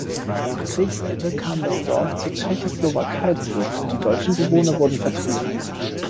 Nach Kriegsende kam das Dorf zur Tschechoslowakei zurück und die deutschen Bewohner wurden vertrieben.